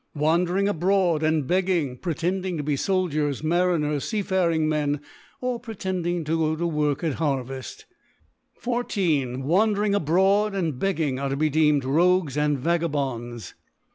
Wandering a broad and begging, pretending to be Sol diers, Marmcrs, fcafaring Men, or pretend ing to go to work at Harveft, 14. Wan dering abroad and begging, are to be deem ed Kogues and Vagabonds.